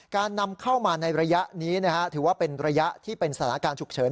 การนำเข้ามาในระยะนี้ถือว่าเป็นระยะที่เป็นสถานการณ์ฉุกเฉิน